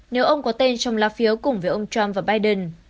nếu ông có tên trong lá phiếu cùng với ông trump và biden